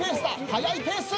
速いペース。